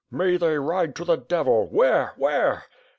"May they ride to the devil! Where? Where?"